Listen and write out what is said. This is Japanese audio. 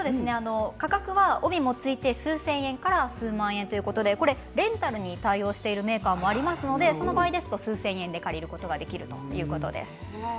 価格は帯もついて数千円から数万円ということでレンタルに対応しているメーカーもありましてその場合ですと数千円で借りることもできるということです。